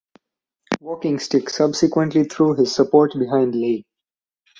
Walkingstick subsequently threw his support behind Lay.